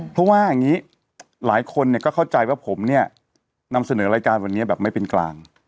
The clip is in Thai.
เพราะว่าอย่างนี้หลายคนก็เข้าใจว่าผมเนี่ยนำเสนอรายการวันนี้แบบไม่เป็นกลาง